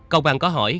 công an có hỏi